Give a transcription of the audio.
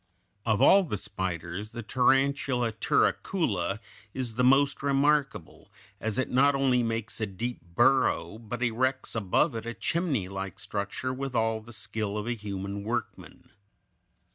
Of all the spiders, the Tarantula turricula (Fig. 179) is the most remarkable, as it not only makes a deep burrow, but erects above it a chimneylike structure with all the skill of a human workman.